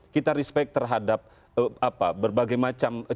kita respect terhadap berbagai macam